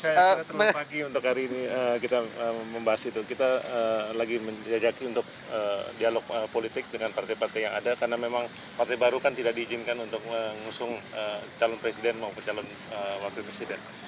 saya kira teman pagi untuk hari ini kita membahas itu kita lagi menjajaki untuk dialog politik dengan partai partai yang ada karena memang partai baru kan tidak diizinkan untuk mengusung calon presiden maupun calon wakil presiden